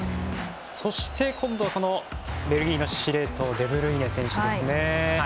そして、今度はベルギーの司令塔デブルイネ選手ですね。